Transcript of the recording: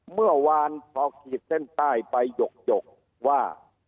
เมื่อวานพอขีดเส้นใต้ไปหยกว่า